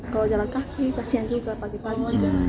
kalau jalan kaki kasian juga pagi pagi